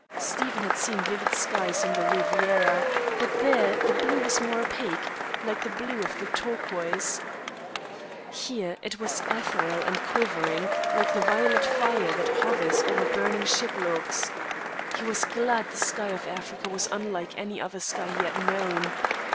Stephen had seen vivid skies on the Riviera, but there the blue was more opaque, like the blue of the turquoise. Here it was ethereal and quivering, like the violet fire that hovers over burning ship logs. He was glad the sky of Africa was unlike any other sky he had known.